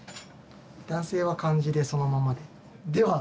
男性は漢字でそのままで。